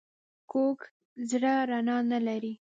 کوږ زړه رڼا نه لري